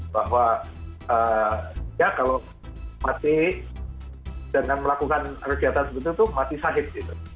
bahwa ya kalau mati dengan melakukan kegiatan seperti itu mati sahib gitu